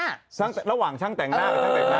ระหว่างช่างแต่งหน้ากับช่างแต่งหน้า